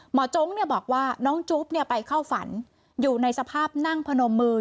โจ๊กบอกว่าน้องจุ๊บไปเข้าฝันอยู่ในสภาพนั่งพนมมือ